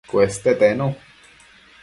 Cueste tenu